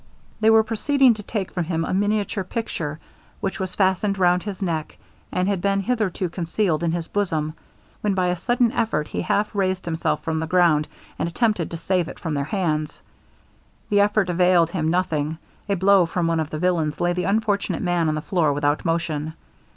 They were proceeding to take from him a miniature picture, which was fastened round his neck, and had been hitherto concealed in his bosom; when by a sudden effort he half raised himself from the ground, and attempted to save it from their hands. The effort availed him nothing; a blow from one of the villains laid the unfortunate man on the floor without motion.